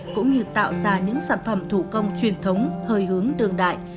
cũng như tạo ra những sản phẩm thủ công truyền thống hơi hướng đường đại